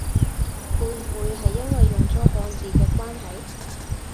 會唔會係因為用咗漢字嘅關係？